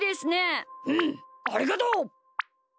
うんありがとう！